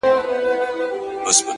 • چاته غل چاته عسکر وو په نس موړ وو,